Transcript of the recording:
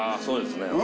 そうですね